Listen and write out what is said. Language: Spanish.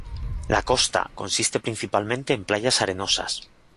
La costa consiste principalmente en playas arenosas.